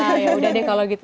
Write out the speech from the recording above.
ya udah deh kalau gitu